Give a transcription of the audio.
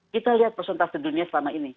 kita lihat persentase dunia selama ini